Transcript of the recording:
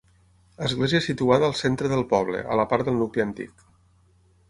Església situada al centre del poble, a la part del nucli antic.